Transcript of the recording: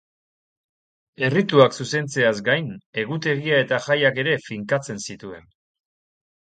Errituak zuzentzeaz gain, egutegia eta jaiak ere finkatzen zituen.